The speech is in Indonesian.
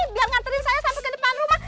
biar nganterin saya sampai ke depan rumah